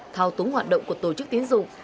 thao túng hoạt động của tổ chức tín dụng